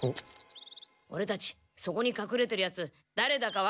オレたちそこにかくれてるやつだれだかわかります。